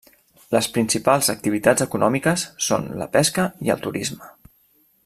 Les principals activitats econòmiques són la pesca i el turisme.